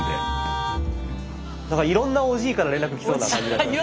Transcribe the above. なんかいろんなおじいから連絡来そうな感じがしますけど。